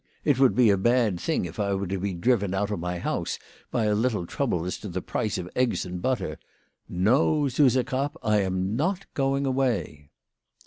It would be a bad thing if I were to be driven out of my house by a little trouble as to the price of eggs and butter ! No, Suse Krapp, I am not going away."